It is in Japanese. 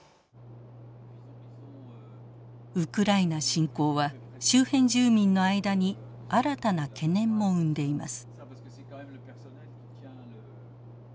ウクライナ侵攻は周辺住民の間に新たな懸念も生んでいます。